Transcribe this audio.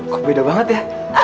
kok beda banget ya